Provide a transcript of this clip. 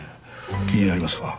気になりますか？